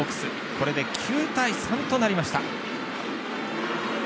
これで９対３となりました。